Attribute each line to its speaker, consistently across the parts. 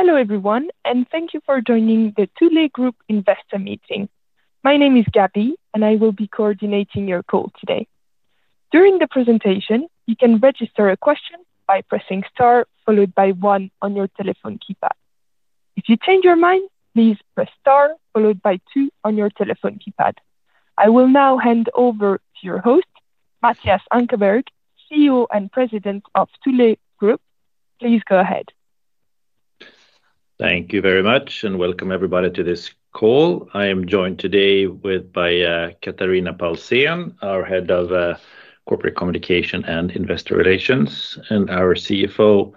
Speaker 1: Hello everyone, and thank you for joining the Thule Group investor meeting. My name is Gabi, and I will be coordinating your call today. During the presentation, you can register a question by pressing * followed by 1 on your telephone keypad. If you change your mind, please press * followed by 2 on your telephone keypad. I will now hand over to your host, Mattias Ankarberg, CEO and President of Thule Group. Please go ahead.
Speaker 2: Thank you very much, and welcome everybody to this call. I am joined today by Katariina Palsén, our Head of Corporate Communication and Investor Relations, and our CFO,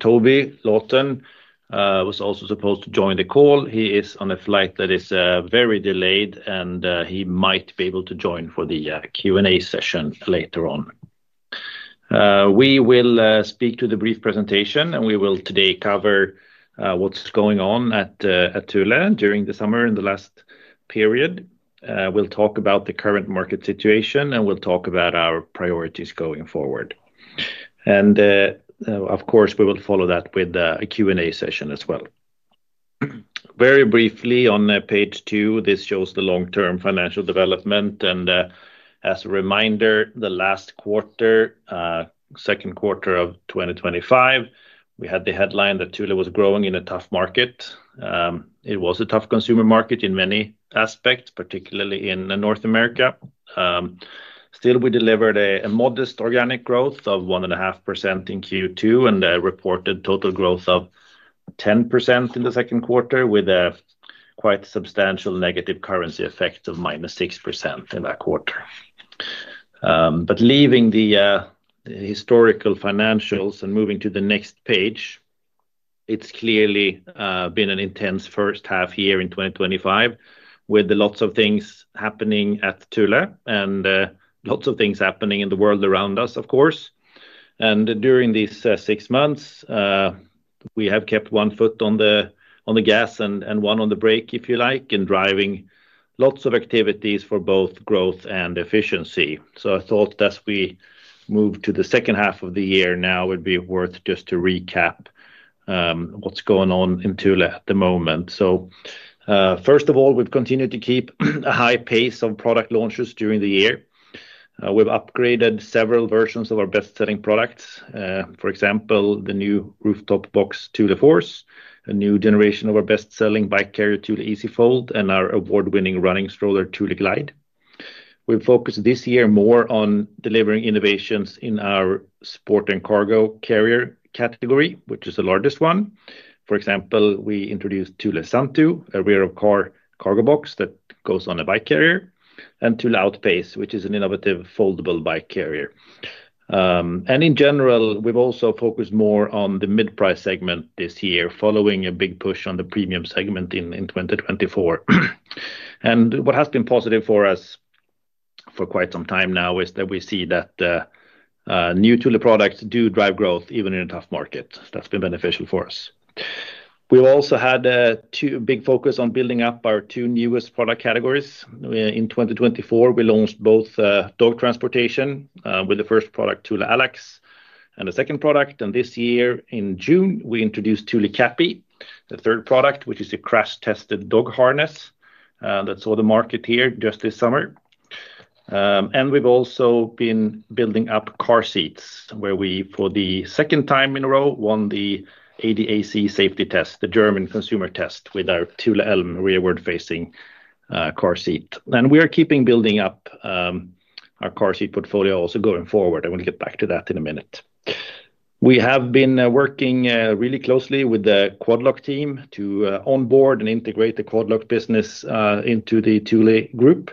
Speaker 2: Toby Lawton, who is also supposed to join the call. He is on a flight that is very delayed, and he might be able to join for the Q&A session later on. We will speak to the brief presentation, and we will today cover what's going on at Thule during the summer in the last period. We'll talk about the current market situation, and we'll talk about our priorities going forward. Of course, we will follow that with a Q&A session as well. Very briefly, on page 2, this shows the long-term financial development, and as a reminder, the last quarter, second quarter of 2025, we had the headline that Thule was growing in a tough market. It was a tough consumer market in many aspects, particularly in North America. Still, we delivered a modest organic growth of 1.5% in Q2 and a reported total growth of 10% in the second quarter, with a quite substantial negative currency effect of -6% in that quarter. Leaving the historical financials and moving to the next page, it's clearly been an intense first half year in 2025, with lots of things happening at Thule and lots of things happening in the world around us, of course. During these six months, we have kept one foot on the gas and one on the brake, if you like, in driving lots of activities for both growth and efficiency. I thought as we move to the second half of the year now, it would be worth just to recap what's going on in Thule at the moment. First of all, we've continued to keep a high pace on product launches during the year. We've upgraded several versions of our best-selling products. For example, the new rooftop box Thule Force, a new generation of our best-selling bike carrier Thule EasyFold, and our award-winning running stroller Thule Glide. We've focused this year more on delivering innovations in our Sport & Cargo Carriers category, which is the largest one. For example, we introduced Thule SunTo, a rear-car cargo box that goes on a bike carrier, and Thule Outpace, which is an innovative foldable bike carrier. In general, we've also focused more on the mid-price segment this year, following a big push on the premium segment in 2024. What has been positive for us for quite some time now is that we see that new Thule products do drive growth even in a tough market. That's been beneficial for us. We've also had a big focus on building up our two newest product categories. In 2024, we launched both dog transportation with the first product, Thule Allax, and the second product. This year in June, we introduced Thule Cappy, the third product, which is a crash-tested dog harness that saw the market here just this summer. We've also been building up car seats, where we for the second time in a row won the ADAC safety test, the German consumer test, with our Thule Elm rearward-facing car seat. We are keeping building up our car seat portfolio also going forward. I'm going to get back to that in a minute. We have been working really closely with the Quad Lock team to onboard and integrate the Quad Lock business into the Thule Group.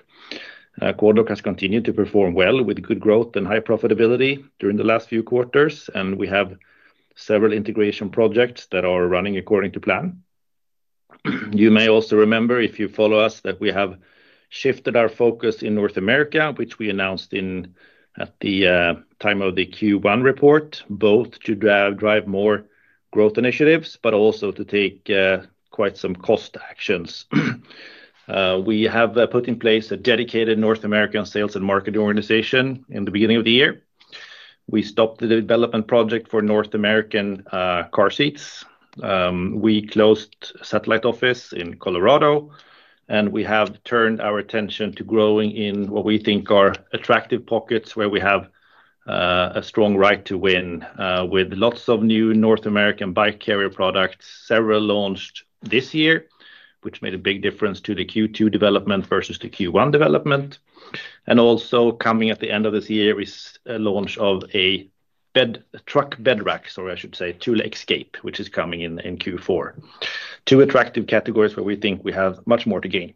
Speaker 2: Quad Lock has continued to perform well with good growth and high profitability during the last few quarters, and we have several integration projects that are running according to plan. You may also remember if you follow us that we have shifted our focus in North America, which we announced at the time of the Q1 report, both to drive more growth initiatives, but also to take quite some cost actions. We have put in place a dedicated North American sales and marketing organization in the beginning of the year. We stopped the development project for North American car seats. We closed the satellite office in Colorado, and we have turned our attention to growing in what we think are attractive pockets where we have a strong right to win, with lots of new North American bike carrier products, several launched this year, which made a big difference to the Q2 development versus the Q1 development. Also coming at the end of this year is a launch of a truck bed rack, sorry, I should say, Thule Xcape, which is coming in Q4. Two attractive categories where we think we have much more to gain.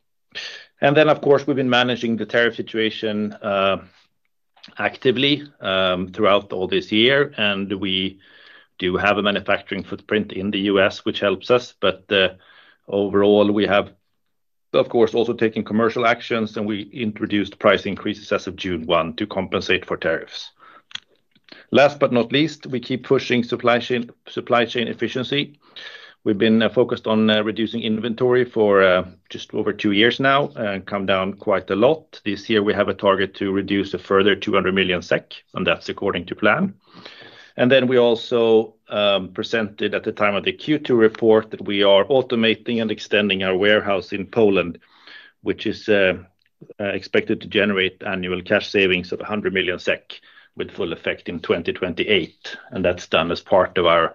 Speaker 2: Of course, we've been managing the tariff situation actively throughout all this year, and we do have a manufacturing footprint in the U.S., which helps us. Overall, we have, of course, also taken commercial actions, and we introduced price increases as of June 1 to compensate for tariffs. Last but not least, we keep pushing supply chain efficiency. We've been focused on reducing inventory for just over two years now and come down quite a lot. This year, we have a target to reduce a further 200 million SEK, and that's according to plan. We also presented at the time of the Q2 report that we are automating and extending our warehouse in Poland, which is expected to generate annual cash savings of 100 million SEK with full effect in 2028. That is done as part of our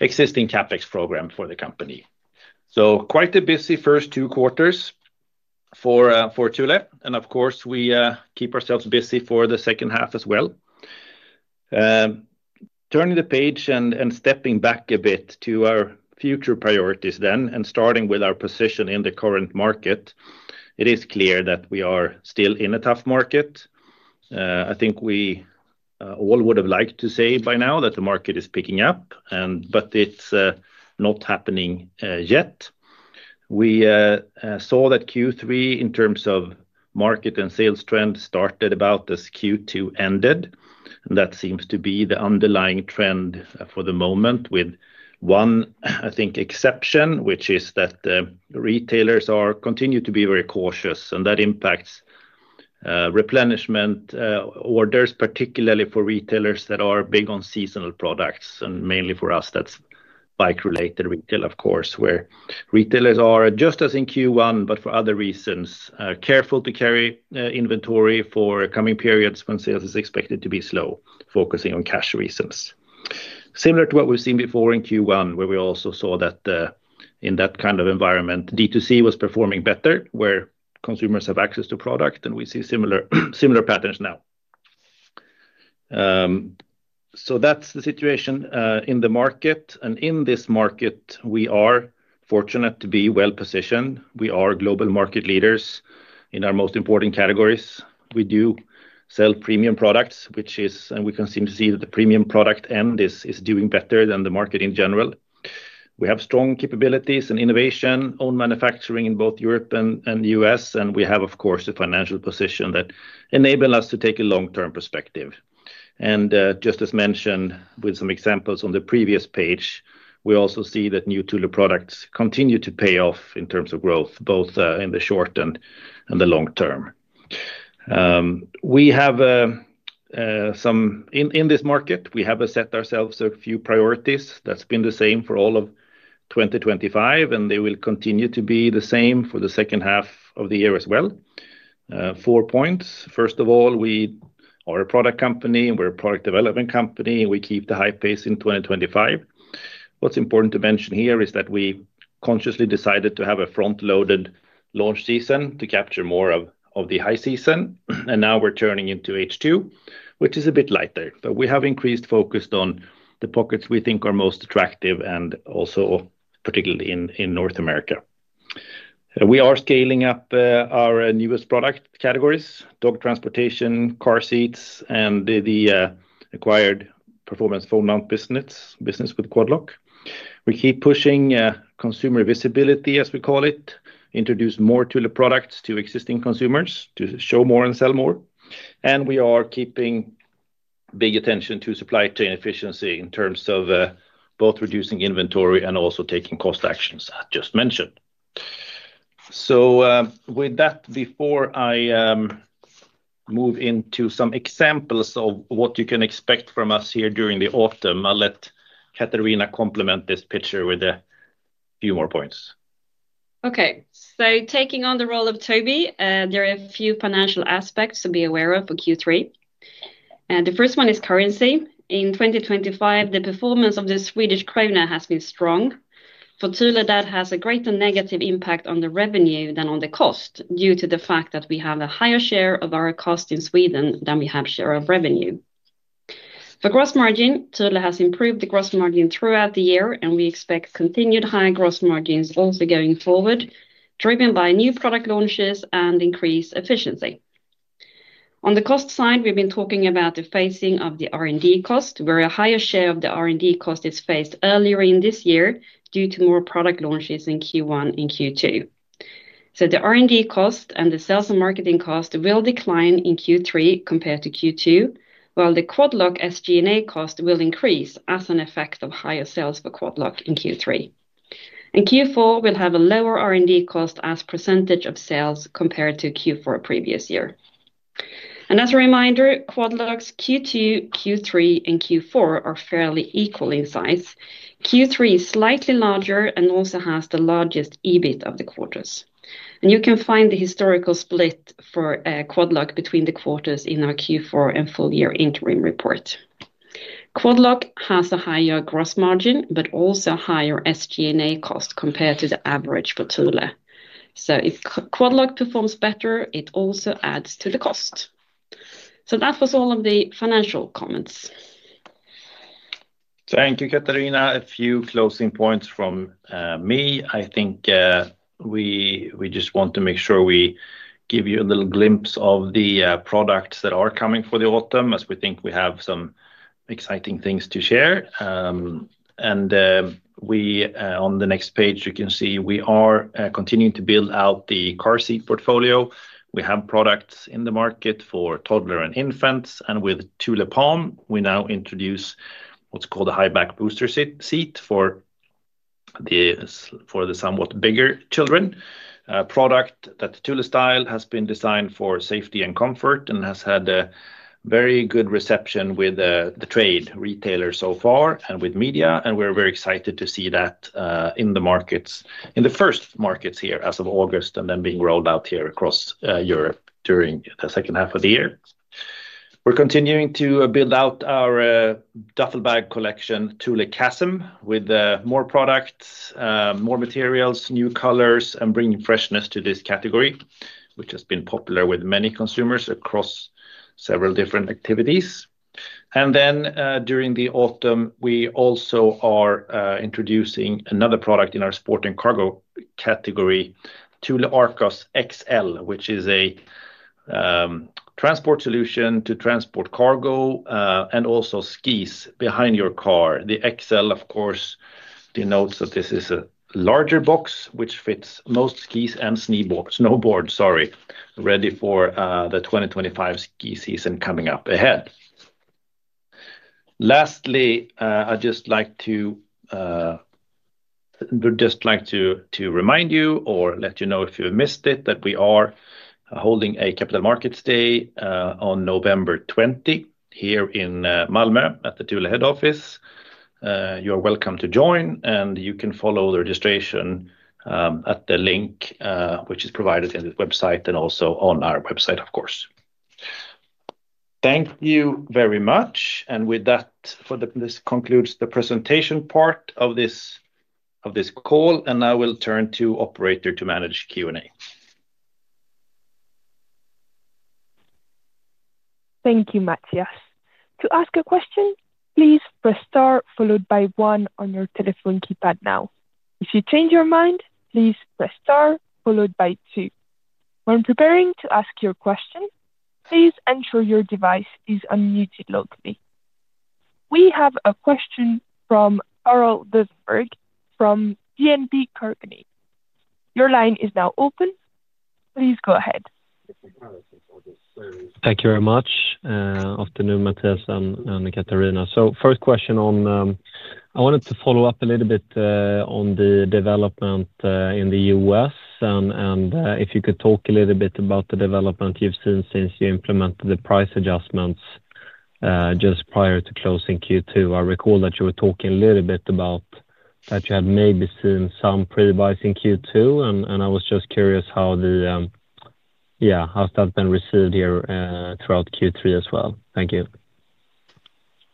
Speaker 2: existing CapEx program for the company. Quite a busy first two quarters for Thule. We keep ourselves busy for the second half as well. Turning the page and stepping back a bit to our future priorities, starting with our position in the current market, it is clear that we are still in a tough market. I think we all would have liked to say by now that the market is picking up, but it's not happening yet. We saw that Q3, in terms of market and sales trends, started about as Q2 ended. That seems to be the underlying trend for the moment with one exception, which is that retailers continue to be very cautious, and that impacts replenishment orders, particularly for retailers that are big on seasonal products. Mainly for us, that's bike-related retail, where retailers are, just as in Q1 but for other reasons, careful to carry inventory for coming periods when sales are expected to be slow, focusing on cash reasons. Similar to what we've seen before in Q1, we also saw that in that kind of environment, D2C was performing better, where consumers have access to product, and we see similar patterns now. That is the situation in the market. In this market, we are fortunate to be well positioned. We are global market leaders in our most important categories. We do sell premium products, and we can see that the premium product end is doing better than the market in general. We have strong capabilities and innovation, own manufacturing in both Europe and the U.S., and we have a financial position that enables us to take a long-term perspective. Just as mentioned with some examples on the previous page, we also see that new Thule products continue to pay off in terms of growth, both in the short and the long term. In this market, we have set ourselves a few priorities that have been the same for all of 2025, and they will continue to be the same for the second half of the year as well. Four points. First of all, we are a product company, and we're a product development company, and we keep the high pace in 2025. What's important to mention here is that we consciously decided to have a front-loaded launch season to capture more of the high season. Now we're turning into H2, which is a bit lighter, but we have increased focus on the pockets we think are most attractive, particularly in North America. We are scaling up our newest product categories, dog transportation, car seats, and the acquired performance phone mount business with Quad Lock. We keep pushing consumer visibility, as we call it, introduce more Thule products to existing consumers to show more and sell more. We are keeping big attention to supply chain efficiency in terms of both reducing inventory and also taking cost actions I just mentioned. Before I move into some examples of what you can expect from us here during the autumn, I'll let Katariina complement this picture with a few more points.
Speaker 3: Okay, so taking on the role of Toby, there are a few financial aspects to be aware of for Q3. The first one is currency. In 2025, the performance of the Swedish krona has been strong. For Thule, that has a greater negative impact on the revenue than on the cost due to the fact that we have a higher share of our cost in Sweden than we have a share of revenue. For gross margin, Thule has improved the gross margin throughout the year, and we expect continued higher gross margins also going forward, driven by new product launches and increased efficiency. On the cost side, we've been talking about the phasing of the R&D cost, where a higher share of the R&D cost is phased earlier in this year due to more product launches in Q1 and Q2. The R&D cost and the sales and marketing cost will decline in Q3 compared to Q2, while the Quad Lock SG&A cost will increase as an effect of higher sales for Quad Lock in Q3. Q4 will have a lower R&D cost as a percentage of sales compared to Q4 previous year. As a reminder, Quad Lock's Q2, Q3, and Q4 are fairly equal in size. Q3 is slightly larger and also has the largest EBIT of the quarters. You can find the historical split for Quad Lock between the quarters in our Q4 and full-year interim report. Quad Lock has a higher gross margin, but also a higher SG&A cost compared to the average for Thule. If Quad Lock performs better, it also adds to the cost. That was all of the financial comments.
Speaker 2: Thank you, Katariina. A few closing points from me. I think we just want to make sure we give you a little glimpse of the products that are coming for the autumn, as we think we have some exciting things to share. On the next page, you can see we are continuing to build out the car seat portfolio. We have products in the market for toddler and infants, and with Thule Palm, we now introduce what's called a high-back booster seat for the somewhat bigger children. A product that Thule style has been designed for safety and comfort and has had a very good reception with the trade retailers so far and with media, and we're very excited to see that in the markets, in the first markets here as of August and then being rolled out here across Europe during the second half of the year. We're continuing to build out our duffel bag collection Thule Chasm with more products, more materials, new colors, and bringing freshness to this category, which has been popular with many consumers across several different activities. During the autumn, we also are introducing another product in our Sport & Cargo Carriers category, Thule Arkos XL, which is a transport solution to transport cargo and also skis behind your car. The XL, of course, denotes that this is a larger box which fits most skis and snowboards, ready for the 2025 ski season coming up ahead. Lastly, I'd just like to remind you or let you know if you missed it that we are holding a capital markets day on November 20 here in Malmö at the Thule head office. You are welcome to join, and you can follow the registration at the link which is provided in the website and also on our website, of course. Thank you very much. With that, this concludes the presentation part of this call, and I will turn to operator to manage Q&A.
Speaker 1: Thank you, Mattias. To ask a question, please press * followed by 1 on your telephone keypad now. If you change your mind, please press * followed by 2. When preparing to ask your question, please ensure your device is unmuted locally. We have a question from Carl Deijenberg from BNP Paribas. Your line is now open. Please go ahead.
Speaker 4: Thank you very much. Afternoon, Mattias and Katariina. First question, I wanted to follow up a little bit on the development in the U.S. and if you could talk a little bit about the development you've seen since you implemented the price adjustments just prior to closing Q2. I recall that you were talking a little bit about that you had maybe seen some pre-buys in Q2, and I was just curious how that's been received here throughout Q3 as well. Thank you.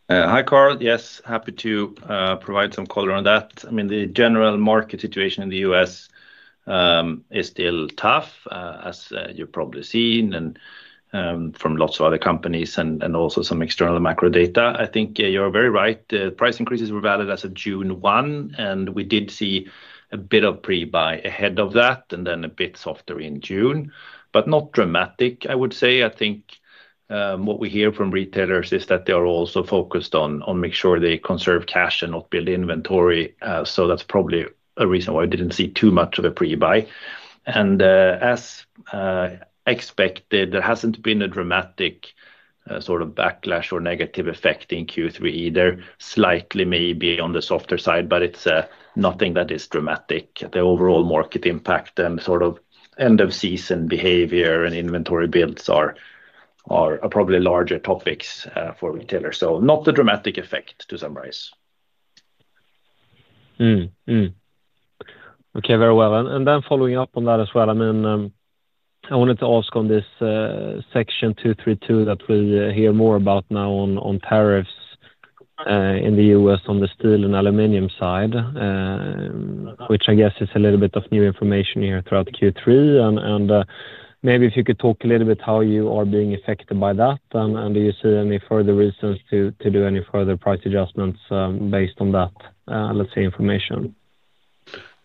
Speaker 2: Hi Karl. Yes, happy to provide some color on that. I mean, the general market situation in the U.S. is still tough, as you've probably seen from lots of other companies and also some external macro data. I think you're very right. The price increases were valid as of June 1, and we did see a bit of pre-buy ahead of that and then a bit softer in June, but not dramatic, I would say. I think what we hear from retailers is that they are also focused on making sure they conserve cash and not build inventory. That's probably a reason why we didn't see too much of a pre-buy. As expected, there hasn't been a dramatic sort of backlash or negative effect in Q3 either, slightly maybe on the softer side, but it's nothing that is dramatic. The overall market impact and sort of end-of-season behavior and inventory builds are probably larger topics for retailers. Not a dramatic effect to summarize.
Speaker 4: Okay, very well. Following up on that as well, I wanted to ask on this Section 232 that we hear more about now on tariffs in the U.S. on the steel and aluminum side, which I guess is a little bit of new information here throughout Q3. Maybe if you could talk a little bit about how you are being affected by that and do you see any further reasons to do any further price adjustments based on that, let's say, information.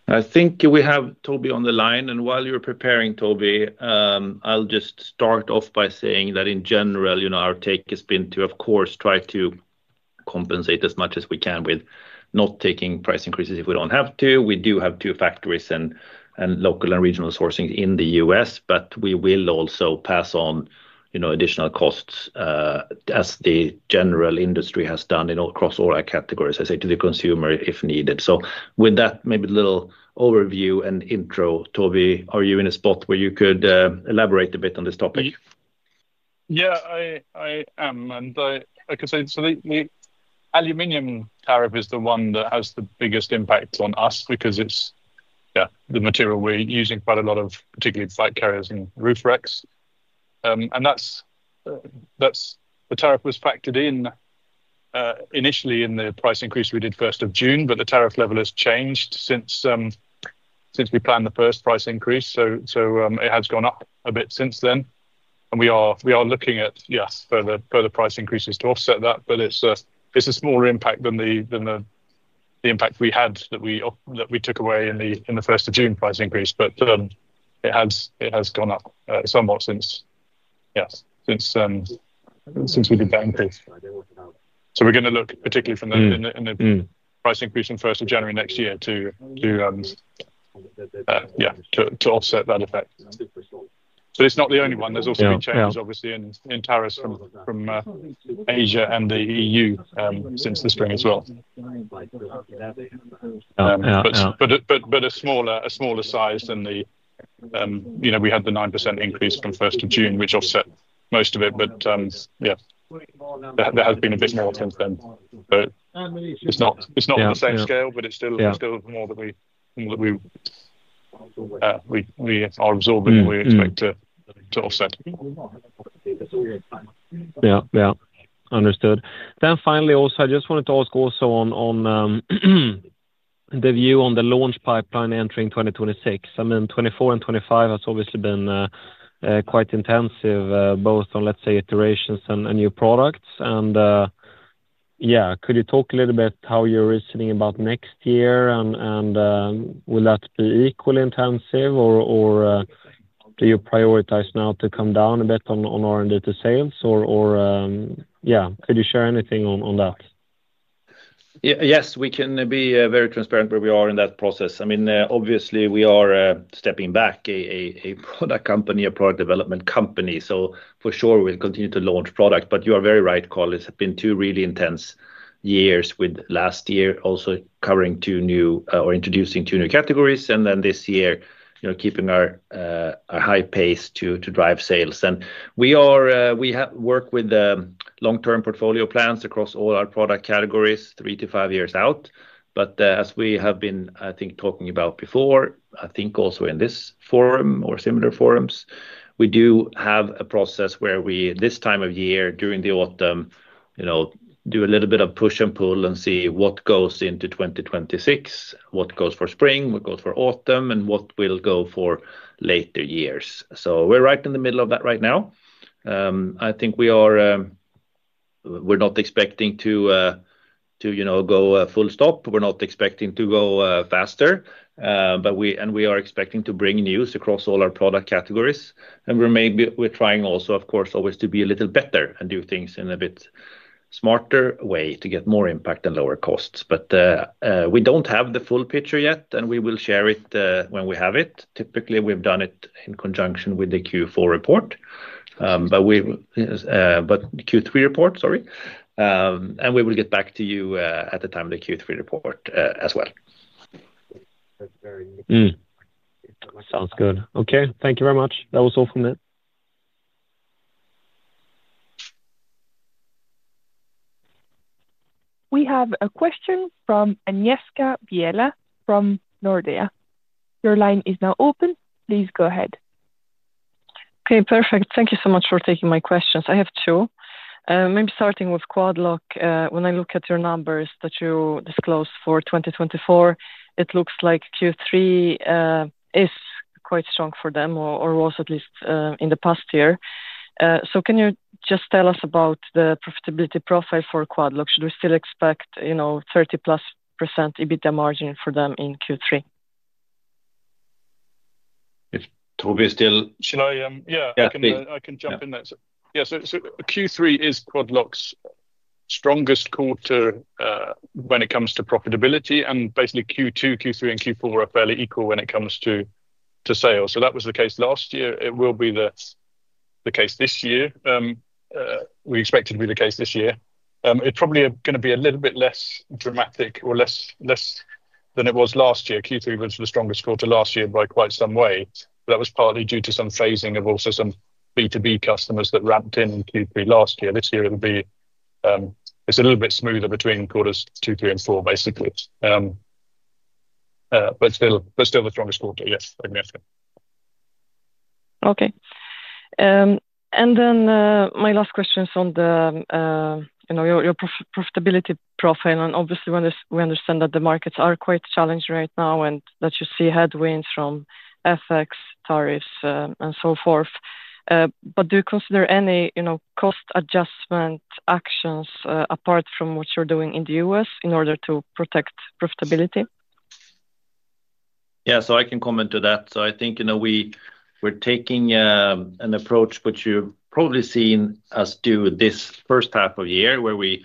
Speaker 2: I think we have Toby on the line, and while you're preparing, Toby, I'll just start off by saying that in general, you know, our take has been to, of course, try to compensate as much as we can with not taking price increases if we don't have to. We do have two factories and local and regional sourcing in the U.S., but we will also pass on, you know, additional costs as the general industry has done across all our categories. I say to the consumer if needed. With that, maybe a little overview and intro, Toby, are you in a spot where you could elaborate a bit on this topic?
Speaker 5: Yeah, I am. I can say the aluminum tariff is the one that has the biggest impact on us because it's the material we're using quite a lot of, particularly for bike carriers and roof racks. That tariff was factored in initially in the price increase we did 1st of June, but the tariff level has changed since we planned the first price increase. It has gone up a bit since then. We are looking at further price increases to offset that, but it's a smaller impact than the impact we had that we took away in the 1st of June price increase. It has gone up somewhat since we did that increase. We are going to look particularly from the price increase in 1st of January next year to offset that effect. It's not the only one. There have also been changes, obviously, in tariffs from Asia and the EU since the spring as well, but a smaller size than the 9% increase from 1st of June, which offset most of it. There has been a bit more attention. It's not the same scale, but it's still more that we are absorbing and we expect to offset.
Speaker 4: Yeah, understood. Finally, I just wanted to ask on the view on the launch pipeline entering 2026. I mean, 2024 and 2025 have obviously been quite intensive, both on, let's say, iterations and new products. Could you talk a little bit about how you're reasoning about next year? Will that be equally intensive, or do you prioritize now to come down a bit on R&D to sales? Could you share anything on that?
Speaker 2: Yes, we can be very transparent where we are in that process. I mean, obviously, we are stepping back a product company, a product development company. For sure, we'll continue to launch products. You are very right, Karl, it's been two really intense years with last year also covering two new or introducing two new categories. This year, you know, keeping our high pace to drive sales. We work with long-term portfolio plans across all our product categories three to five years out. As we have been, I think, talking about before, I think also in this forum or similar forums, we do have a process where we this time of year during the autumn, you know, do a little bit of push and pull and see what goes into 2026, what goes for spring, what goes for autumn, and what will go for later years. We're right in the middle of that right now. We are not expecting to, you know, go full stop. We're not expecting to go faster. We are expecting to bring news across all our product categories. We're trying also, of course, always to be a little better and do things in a bit smarter way to get more impact and lower costs. We don't have the full picture yet, and we will share it when we have it. Typically, we've done it in conjunction with the Q4 report, but Q3 report, sorry. We will get back to you at the time of the Q3 report as well.
Speaker 4: That sounds good. Okay, thank you very much. That was all from me.
Speaker 1: We have a question from Agnieszka Vilela from Nordea. Your line is now open. Please go ahead.
Speaker 6: Okay, perfect. Thank you so much for taking my questions. I have two. Maybe starting with Quad Lock, when I look at your numbers that you disclosed for 2024, it looks like Q3 is quite strong for them, or was at least in the past year. Can you just tell us about the profitability profile for Quad Lock? Should we still expect, you know, 30+% EBITDA margin for them in Q3?
Speaker 2: Is Toby still?
Speaker 5: Yeah, I can jump in there. Q3 is Quad Lock's strongest quarter when it comes to profitability. Q2, Q3, and Q4 are fairly equal when it comes to sales. That was the case last year. We expect it to be the case this year. It's probably going to be a little bit less dramatic or less than it was last year. Q3 was the strongest quarter last year by quite some way. That was partly due to some phasing of also some B2B customers that ramped in Q3 last year. This year, it's a little bit smoother between quarters Q3 and Q4, basically. Still the strongest quarter, yes.
Speaker 6: Okay. My last question is on your profitability profile. Obviously, we understand that the markets are quite challenged right now and that you see headwinds from FX, tariffs, and so forth. Do you consider any cost adjustment actions apart from what you're doing in the U.S. in order to protect profitability?
Speaker 2: Yeah, I can comment to that. I think we're taking an approach which you've probably seen us do this first half of the year where we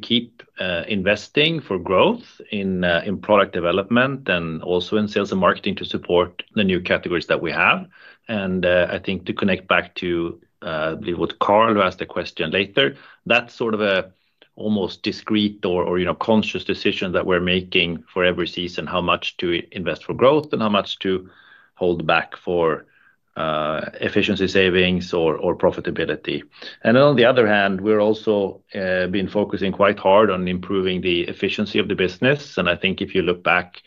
Speaker 2: keep investing for growth in product development and also in sales and marketing to support the new categories that we have. I think to connect back to what Carl asked a question later, that's sort of an almost discrete or conscious decision that we're making for every season, how much to invest for growth and how much to hold back for efficiency savings or profitability. On the other hand, we've also been focusing quite hard on improving the efficiency of the business. I think if you look back,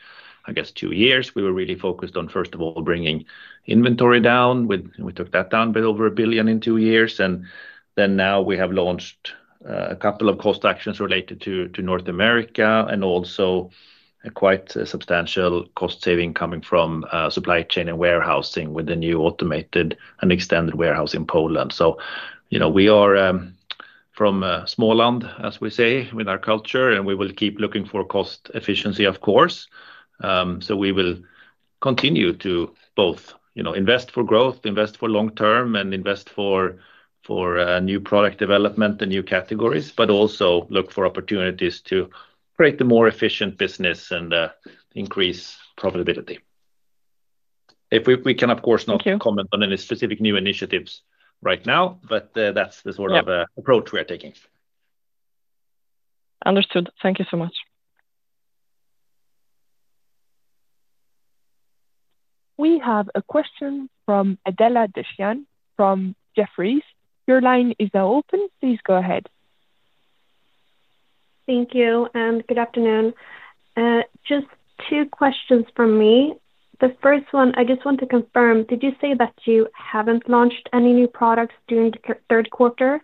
Speaker 2: I guess two years, we were really focused on, first of all, bringing inventory down. We took that down a bit over $1 billion in two years. Now we have launched a couple of cost actions related to North America and also a quite substantial cost saving coming from supply chain and warehousing with the new automated and extended warehouse in Poland. You know, we are from Småland, as we say, with our culture, and we will keep looking for cost efficiency, of course. We will continue to both invest for growth, invest for long term, and invest for new product development and new categories, but also look for opportunities to create a more efficient business and increase profitability. We cannot, of course, comment on any specific new initiatives right now, but that's the sort of approach we are taking.
Speaker 6: Understood. Thank you so much.
Speaker 1: We have a question from Adela Dashian from Jefferies. Your line is now open. Please go ahead.
Speaker 7: Thank you, and good afternoon. Just two questions from me. The first one, I just want to confirm, did you say that you haven't launched any new products during the third quarter?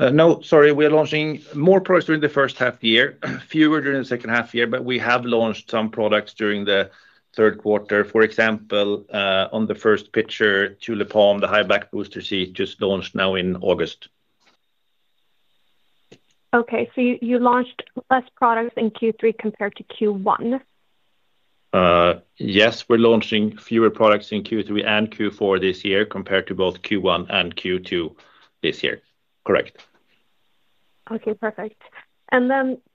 Speaker 2: No, sorry, we are launching more products during the first half year, fewer during the second half year, but we have launched some products during the third quarter. For example, on the first picture, Thule Palm, the high-back booster seat, just launched now in August.
Speaker 7: Okay, so you launched less products in Q3 compared to Q1?
Speaker 2: Yes, we're launching fewer products in Q3 and Q4 this year compared to both Q1 and Q2 this year. Correct.
Speaker 7: Okay, perfect.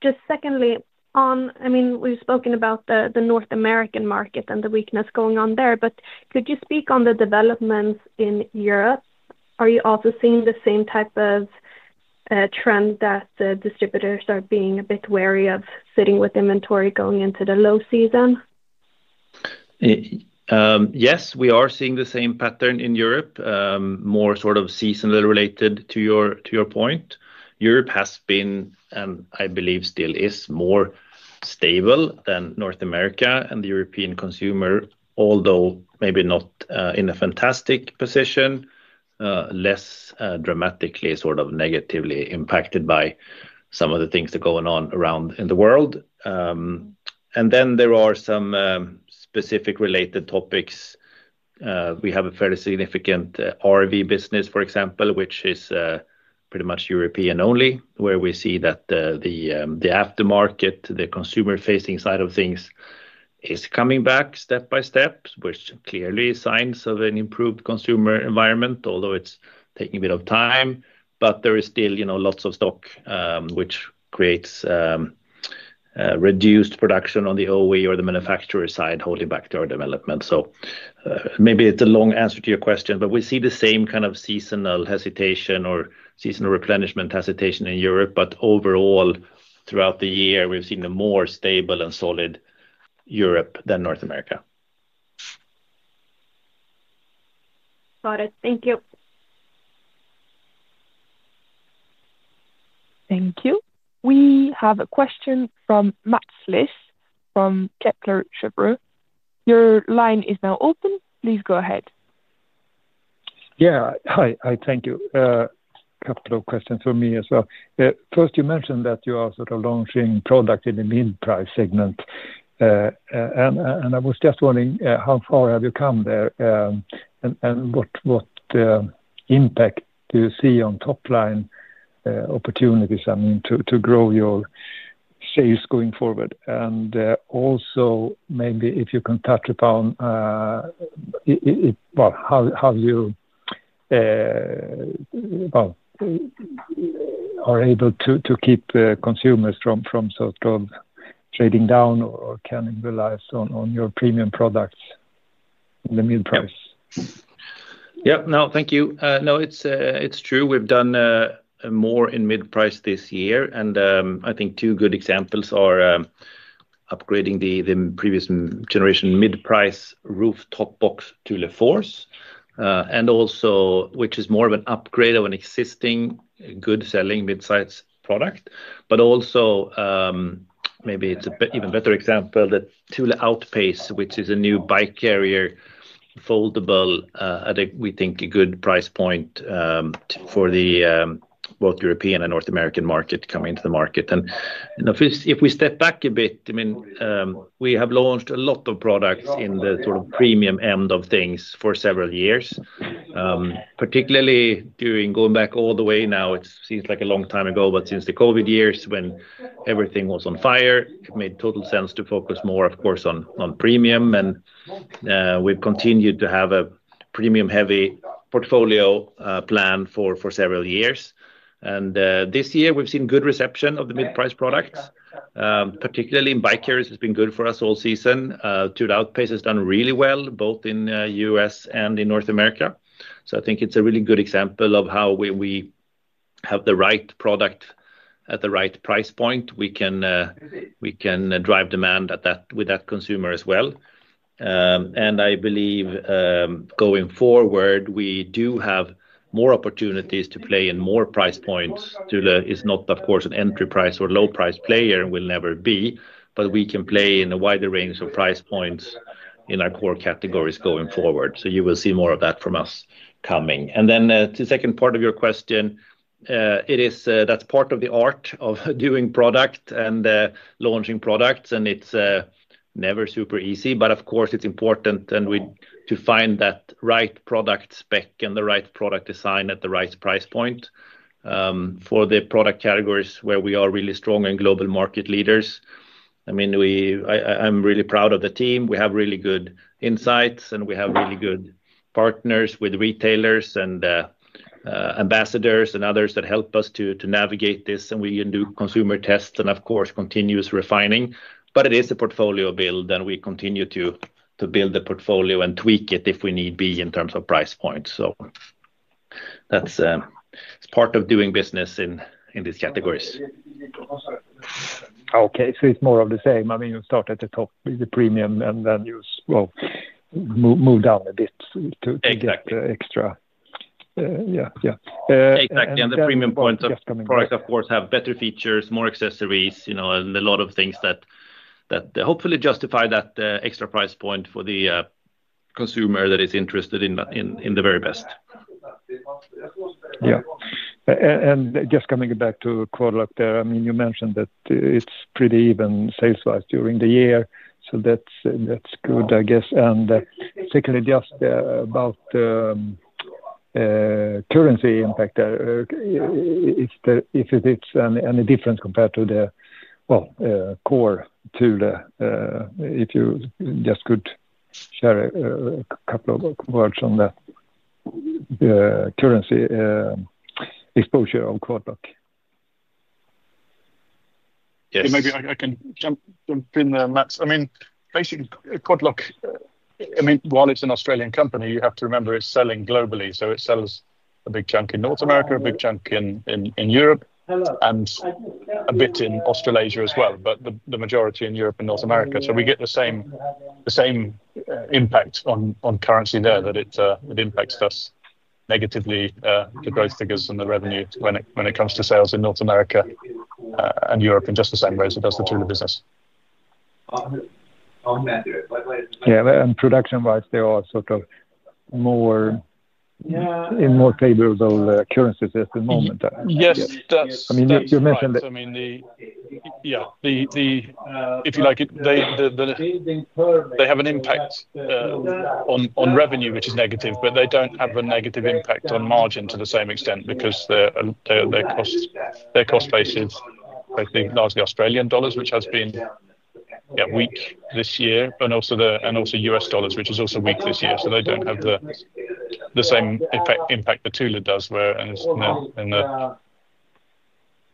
Speaker 7: Just secondly, on, I mean, we've spoken about the North American market and the weakness going on there. Could you speak on the developments in Europe? Are you also seeing the same type of trend that distributors are being a bit wary of sitting with inventory going into the low season?
Speaker 2: Yes, we are seeing the same pattern in Europe, more sort of seasonally related to your point. Europe has been, I believe, still is more stable than North America and the European consumer, although maybe not in a fantastic position, less dramatically, sort of negatively impacted by some of the things that are going on around in the world. There are some specific related topics. We have a fairly significant RV business, for example, which is pretty much European only, where we see that the aftermarket, the consumer-facing side of things is coming back step by step, which clearly is signs of an improved consumer environment, although it's taking a bit of time. There is still, you know, lots of stock, which creates reduced production on the OE or the manufacturer side, holding back to our development. Maybe it's a long answer to your question, but we see the same kind of seasonal hesitation or seasonal replenishment hesitation in Europe. Overall, throughout the year, we've seen a more stable and solid Europe than North America.
Speaker 7: Got it. Thank you.
Speaker 1: Thank you. We have a question from Mats Liss from Kepler Cheuvreux. Your line is now open. Please go ahead.
Speaker 8: Yeah, hi, thank you. A couple of questions for me as well. First, you mentioned that you are sort of launching products in the mid-price segment. I was just wondering, how far have you come there? What impact do you see on top-line opportunities, I mean, to grow your sales going forward? Also, maybe if you can touch upon how you are able to keep consumers from sort of trading down or can it rely on your premium products in the mid-price? Thank you.
Speaker 5: It's true. We've done more in mid-price this year. I think two good examples are upgrading the previous generation mid-price rooftop box Thule Force, which is more of an upgrade of an existing good selling midsize product. Maybe it's an even better example, the Thule Outpace, which is a new bike carrier, foldable, at a, we think, a good price point for both European and North American market coming into the market. If we step back a bit, we have launched a lot of products in the sort of premium end of things for several years. Particularly going back all the way now, it seems like a long time ago, but since the COVID years when everything was on fire, it made total sense to focus more, of course, on premium. We've continued to have a premium-heavy portfolio plan for several years. This year, we've seen good reception of the mid-price products. Particularly in bike carriers, it's been good for us all season. Thule Outpace has done really well, both in the U.S. and in North America. I think it's a really good example of how when we have the right product at the right price point, we can drive demand with that consumer as well. I believe going forward, we do have more opportunities to play in more price points. Thule is not, of course, an entry price or low price player and will never be, but we can play in a wider range of price points in our core categories going forward. You will see more of that from us coming. To the second part of your question, that's part of the art of doing product and launching products, and it's never super easy. Of course, it's important to find that right product spec and the right product design at the right price point for the product categories where we are really strong and global market leaders. I'm really proud of the team. We have really good insights, and we have really good partners with retailers and ambassadors and others that help us to navigate this. We can do consumer tests and, of course, continuous refining. It is a portfolio build, and we continue to build the portfolio and tweak it if we need be in terms of price points. That's part of doing business in these categories.
Speaker 8: Okay, it's more of the same. I mean, you start at the top with the premium, and then you move down a bit to extra.
Speaker 5: Exactly. The premium points of products, of course, have better features, more accessories, and a lot of things that hopefully justify that extra price point for the consumer that is interested in the very best. Yeah.
Speaker 8: Just coming back to Quad Lock there, you mentioned that it's pretty even sales-wise during the year. That's good, I guess. Secondly, just about the currency impact, if it's any difference compared to the core Thule, if you could share a couple of words on the currency exposure of Quad Lock.
Speaker 5: Yeah. Maybe I can jump in there, Mats. Basically, Quad Lock, while it's an Australian company, you have to remember it's selling globally. It sells a big chunk in North America, a big chunk in Europe, and a bit in Australasia as well, but the majority in Europe and North America. We get the same impact on currency there, that it impacts us negatively to growth figures and the revenue when it comes to sales in North America and Europe in just the same way as it does the Thule business. Yeah. Production-wise, they are in more favorable currencies at the moment. Yes, you mentioned that. If you like, they have an impact on revenue, which is negative, but they don't have a negative impact on margin to the same extent because their cost base is basically largely Australian dollars, which has been weak this year, and also the U.S. dollars, which is also weak this year. They don't have the same impact Thule does, whereas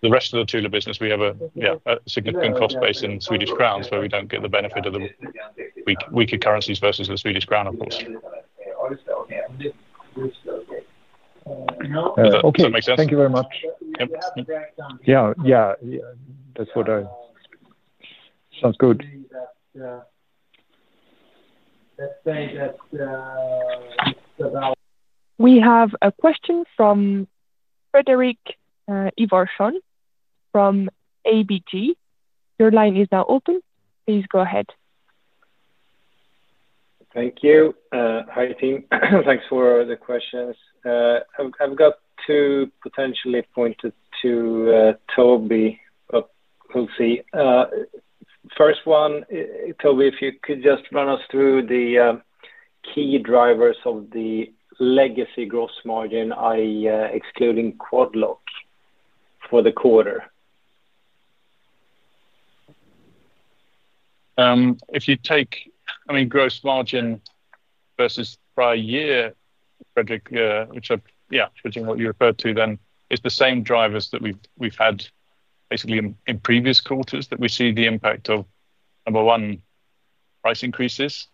Speaker 5: the rest of the Thule business, we have a significant cost base in Swedish crowns, where we don't get the benefit of the weaker currencies versus the Swedish crown, of course. Does that make sense?
Speaker 8: Thank you very much. Yeah, that's what I... Sounds good.
Speaker 1: We have a question from Fredrik Ivarsson from ABG Sundal Collier. Your line is now open. Please go ahead.
Speaker 9: Thank you. Hi, team. Thanks for the questions. I've got two potentially pointed to Toby, but we'll see. First one, Toby, if you could just run us through the key drivers of the legacy gross margin, excluding Quad Lock for the quarter.
Speaker 5: If you take, I mean, gross margin versus prior year, which I'm, yeah, switching what you referred to then, it's the same drivers that we've had basically in previous quarters that we see the impact of. Number one, price increases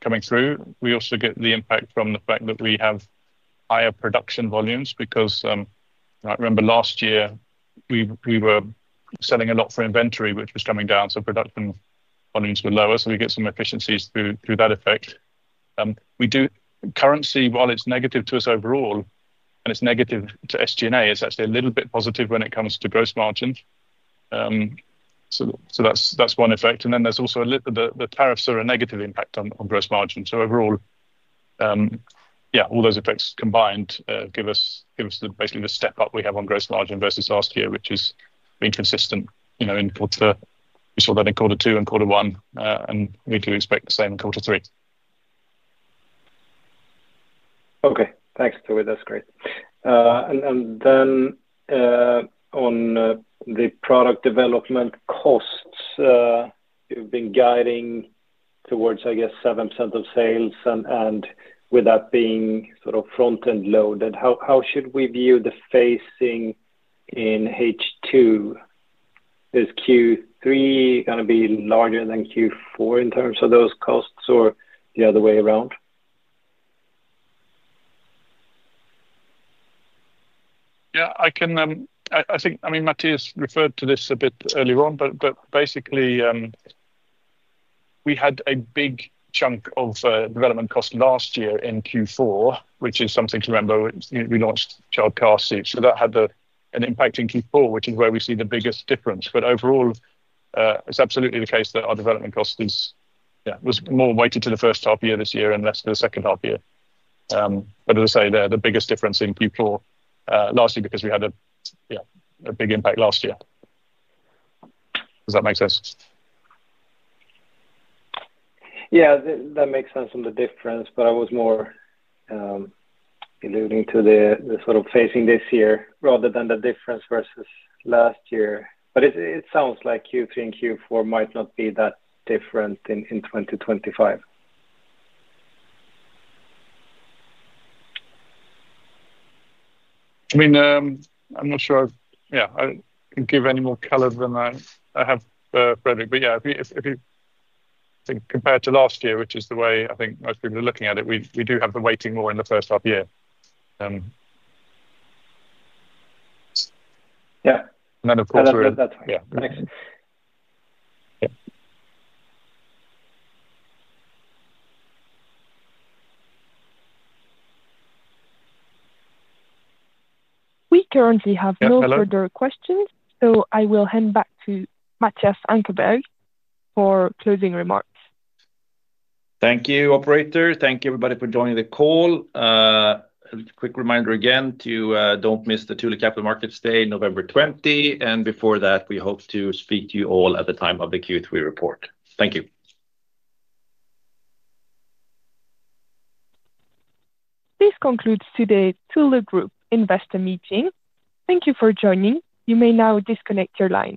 Speaker 5: coming through. We also get the impact from the fact that we have higher production volumes because, you know, I remember last year, we were selling a lot for inventory, which was coming down, so production volumes were lower. We get some efficiencies through that effect. We do currency, while it's negative to us overall, and it's negative to SG&A, it's actually a little bit positive when it comes to gross margin. That's one effect. There's also the tariffs are a negative impact on gross margin. Overall, all those effects combined give us basically the step up we have on gross margin versus last year, which has been consistent, you know, in quarter. We saw that in quarter two and quarter one, and we do expect the same in quarter three.
Speaker 2: Okay, thanks, Toby. That's great. On the product development costs, you've been guiding towards, I guess, 7% of sales. With that being sort of front-end loaded, how should we view the phasing in H2? Is Q3 going to be larger than Q4 in terms of those costs or the other way around?
Speaker 5: I think, Mattias referred to this a bit earlier on, but basically, we had a big chunk of development cost last year in Q4, which is something to remember. We launched child car seats, so that had an impact in Q4, which is where we see the biggest difference. Overall, it's absolutely the case that our development cost was more weighted to the first half of the year this year and less to the second half of the year. As I say, the biggest difference is in Q4 last year because we had a big impact last year. Does that make sense?
Speaker 2: Yeah, that makes sense on the difference, I was more alluding to the sort of phasing this year rather than the difference versus last year. It sounds like Q3 and Q4 might not be that different in 2025.
Speaker 5: I'm not sure I can give any more color than I have, Fredrik. If you think compared to last year, which is the way I think most people are looking at it, we do have the weighting more in the first half of the year.
Speaker 2: Yeah.
Speaker 5: Of course, we're in.
Speaker 1: We currently have no further questions, so I will hand back to Mattias Ankarberg for closing remarks.
Speaker 2: Thank you, operator. Thank you, everybody, for joining the call. A quick reminder again to not miss the Thule Capital Markets Day November 20. Before that, we hope to speak to you all at the time of the Q3 report. Thank you.
Speaker 1: This concludes today's Thule Group investor meeting. Thank you for joining. You may now disconnect your line.